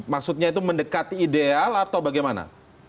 maksudnya itu mendekati ideal atau bagaimana